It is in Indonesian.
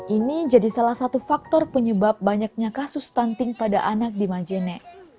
ini jadi salah satu faktor penyebab banyaknya kasus stunting pada anak di majene